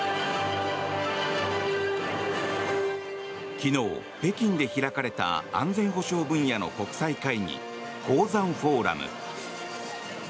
昨日、北京で開かれた安全保障分野の国際会議香山フォーラム。